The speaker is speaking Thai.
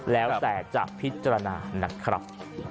แล้วแต่จะพิจารณานะครับ